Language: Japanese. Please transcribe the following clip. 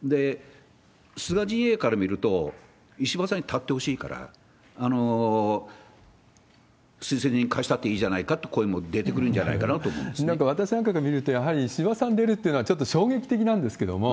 菅陣営から見ると、石破さんに立ってほしいから、推薦人貸したっていいんじゃないかって声も出てくるんじゃないかなんか私なんかが見ると、やはり石破さん出るっていうのは、衝撃的なんですけれども。